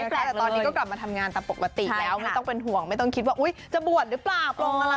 แต่ตอนนี้ก็กลับมาทำงานตามปกติแล้วไม่ต้องเป็นห่วงไม่ต้องคิดว่าอุ๊ยจะบวชหรือเปล่าปลงอะไร